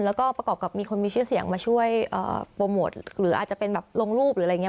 แล้วก็ประกอบกับมีคนมีชื่อเสียงมาช่วยโปรโมทหรืออาจจะเป็นแบบลงรูปหรืออะไรอย่างนี้